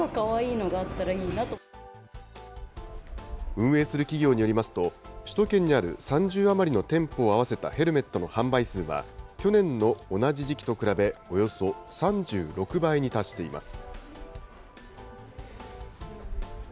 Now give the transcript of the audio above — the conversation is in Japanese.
運営する企業によりますと、首都圏にある３０余りの店舗を合わせたヘルメットの販売数は、去年の同じ時期と比べ、およそ３６倍に達しています。